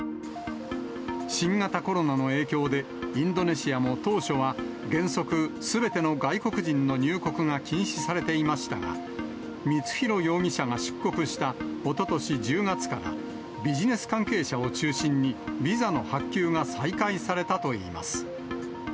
新型コロナの影響で、インドネシアも当初は、原則、すべての外国人の入国が禁止されていましたが、光弘容疑者が出国したおととし１０月から、ビジネス関係者を中心にビザの発給が再開されたといいます。